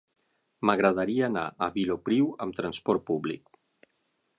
M'agradaria anar a Vilopriu amb trasport públic.